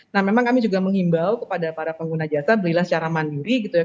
nah memang kami juga mengimbau kepada para pengguna jasa belilah secara mandiri gitu ya